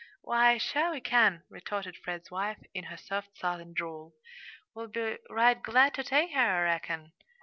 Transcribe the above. "Why, sure we can," retorted. Fred's wife, in her soft Southern drawl. "We'll be right glad to take her, I reckon."